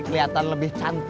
kok ada getting